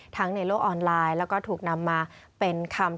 ทั้งในโลกออนไลน์แถมและถูกนำมาเป็นคำ